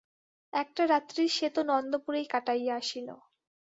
একটা রাত্রি সে তো নন্দপুরেই কাটাইয়া আসিল।